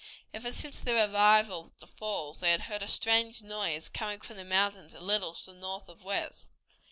Ever since their arrival at the falls they had heard a strange noise coming from the mountains a little to the north of west.